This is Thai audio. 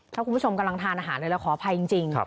ถ้าคุณผู้ชมกำลังทานอาหารเลยเราขออภัยจริง